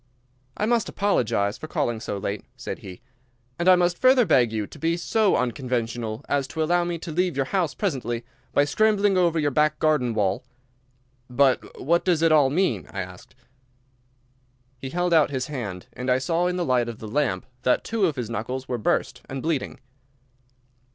"I must apologise for calling so late," said he, "and I must further beg you to be so unconventional as to allow me to leave your house presently by scrambling over your back garden wall." "But what does it all mean?" I asked. He held out his hand, and I saw in the light of the lamp that two of his knuckles were burst and bleeding.